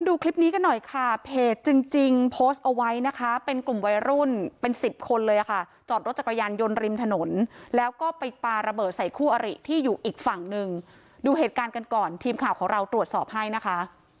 ดูคลิปนี้กันหน่อยค่ะเพจจริงจริงโพสต์เอาไว้นะคะเป็นกลุ่มวัยรุ่นเป็นสิบคนเลยค่ะจอดรถจักรยานยนต์ริมถนนแล้วก็ไปปลาระเบิดใส่คู่อริที่อยู่อีกฝั่งหนึ่งดูเหตุการณ์กันก่อนทีมข่าวของเราตรวจสอบให้นะคะ